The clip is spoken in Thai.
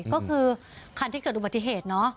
ก็คือคันที่เกิดอุบัติเหตุเนอะ